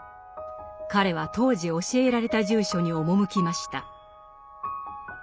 彼は当時教えられた住所に赴きました。